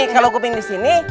kalau kuping di sini